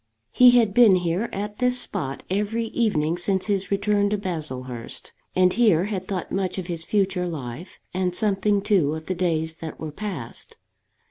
He had been here, at this spot, every evening since his return to Baslehurst; and here had thought much of his future life, and something, too, of the days that were past.